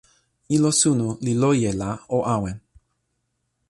ilo suno li loje la o awen.